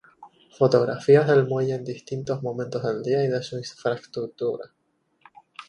Fotografías del muelle en distintos momentos del día y de su infraestructura.